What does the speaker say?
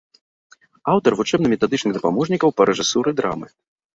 Аўтар вучэбна-метадычных дапаможнікаў па рэжысуры драмы.